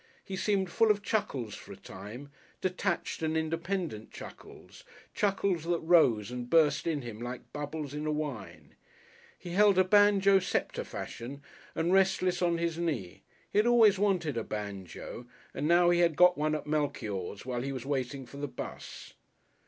He seemed full of chuckles for a time, detached and independent chuckles, chuckles that rose and burst in him like bubbles in a wine.... He held a banjo sceptre fashion and restless on his knee. He had always wanted a banjo, and now he had got one at Malchior's while he was waiting for the 'bus.